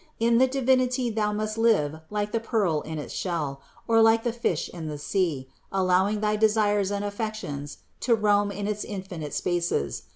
In the Divinity thou must live like the pearl in its shell, or like the fish in the sea, allowing thy desires and affections to roam in its infinite spaces.